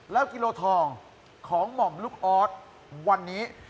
แล้วกิโลทองของหม่อมลูกออสวันนี้